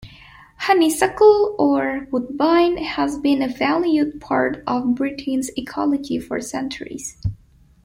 Honeysuckle, or woodbine, has been a valued part of Britain's ecology for centuries.